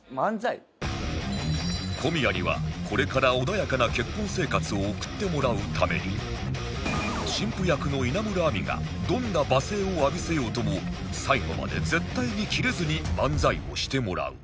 小宮にはこれから穏やかな結婚生活を送ってもらうために新婦役の稲村亜美がどんな罵声を浴びせようとも最後まで絶対にキレずに漫才をしてもらう